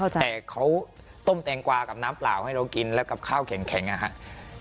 แต่เขาต้มแตงกวากับน้ำเปล่าให้เรากินแล้วกับข้าวแข็งนะครับ